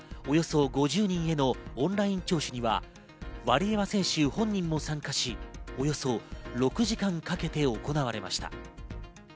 およそ５０人へのオンライン聴取にはワリエワ選手本人も参加し、およそ６時間かけて行われました。